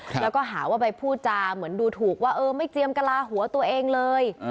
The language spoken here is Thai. แล้วก็หาว่าไปพูดจาเหมือนดูถูกว่าเออไม่เจียมกระลาหัวตัวเองเลย